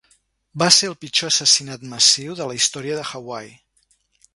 Va ser el pitjor assassinat massiu de la història de Hawaii.